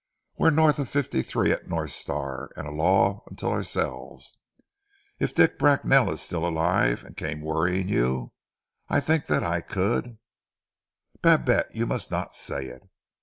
We're North of fifty three at North Star, and a law unto ourselves. If Dick Bracknell is still alive, and came worrying you, I think that I could " "Babette, you must not say it."